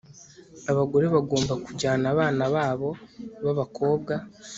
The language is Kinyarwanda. Abagore bagomba kujyana abana babo babakobwa